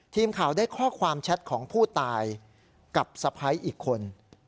ทีมข่าวได้ข้อความแชทของผู้ตายกับสะพ้ายอีกคน